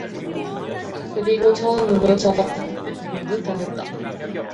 그리고 처음으로 저 하늘을 보는 듯하였다.